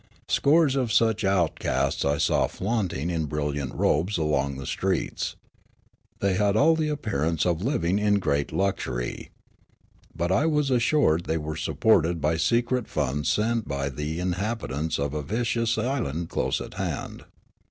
Scores of such outcasts I saw flaunting in brilliant robes along the streets. Thej' had all the ap pearance of living in great luxury. But I was assured they were supported by secret funds sent by the in habitants of a vicious island close at hand.